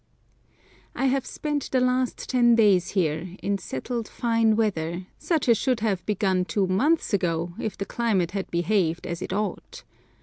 I HAVE spent the last ten days here, in settled fine weather, such as should have begun two months ago if the climate had behaved as it ought.